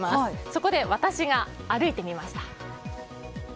そこで私が歩いてみました。